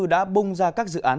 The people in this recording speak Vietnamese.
đã bung ra các dự án